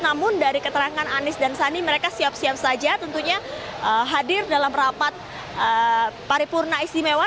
namun dari keterangan anies dan sandi mereka siap siap saja tentunya hadir dalam rapat paripurna istimewa